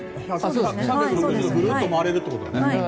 ３６０度がぐるっと回れるということだね。